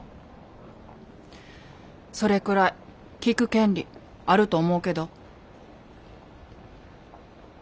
それくらい聞く権利あると思うけど？